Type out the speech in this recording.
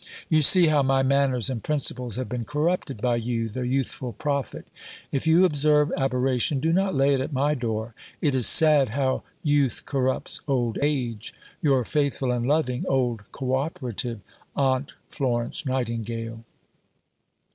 You see how my manners and principles have been corrupted by you, the youthful prophet. If you observe aberration, do not lay it at my door. It is sad how youth corrupts old age. Your faithful and loving old (co operative) Aunt, FLORENCE NIGHTINGALE.